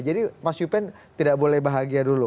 jadi mas yupen tidak boleh bahagia dulu